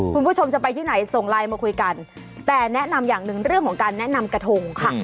คุณผู้ชมจะไปที่ไหนส่งไลน์มาคุยกันแต่แนะนำอย่างหนึ่งเรื่องของการแนะนำกระทงค่ะ